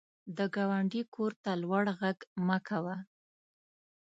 د ګاونډي کور ته لوړ غږ مه کوه